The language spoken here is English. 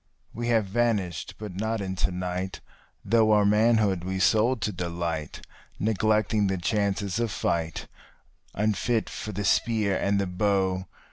We have vanished, but not into night, though our manhood we sold to delight, Neglecting the chances of fight, unfit for the spear and the bow.